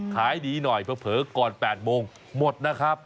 ขายดีหน่อยเผลอก่อน๘โมงหมดนะครับ